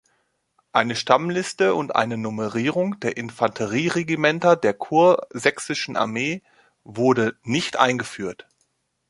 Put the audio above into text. Eine Stammliste und eine Nummerierung der Infanterieregimenter der kursächsischen Armee wurde nicht eingeführt.